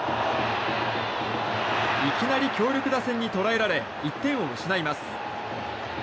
いきなり強力打線に捉えられ１点を失います。